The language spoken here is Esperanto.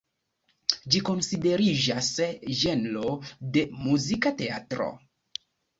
Ĝi konsideriĝas ĝenro de muzika teatro.